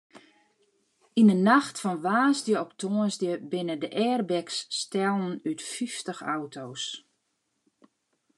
Yn de nacht fan woansdei op tongersdei binne de airbags stellen út fyftich auto's.